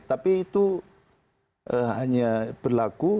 jadi itu hanya berlaku